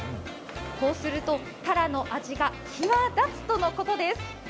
そうすると、たらの味が際立つとのことです。